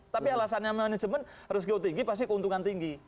tapi alasannya manajemen resiko tinggi pasti keuntungan tinggi